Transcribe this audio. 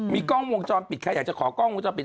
มีกล้องวงจรปิดใครอยากจะขอกล้องวงจรปิด